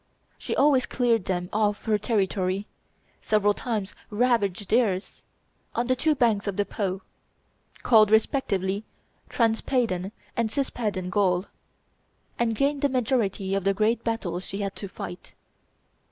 She always cleared them off her territory, several times ravaged theirs, on the two banks of the Po, called respectively Transpadan and Cispadan Gaul, and gained the majority of the great battles she had to fight.